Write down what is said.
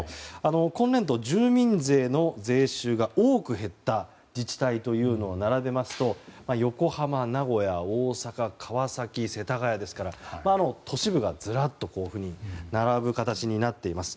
今年度、住民税の税収が多く減った自治体を並べますと、横浜、名古屋、大阪川崎、世田谷ですから、都市部がずらっと並ぶ形になっています。